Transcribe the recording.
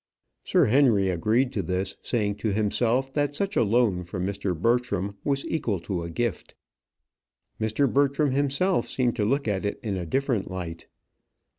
Sir Henry agreed to this, saying to himself that such a loan from Mr. Bertram was equal to a gift. Mr. Bertram himself seemed to look at it in a different light.